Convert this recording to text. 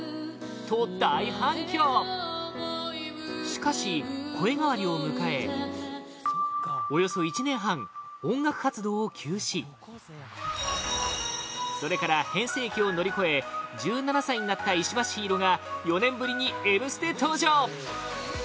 しかし、声変わりを迎えおよそ１年半、音楽活動を休止それから変声期を乗り越え１７歳になった石橋陽彩が４年ぶりに「Ｍステ」登場！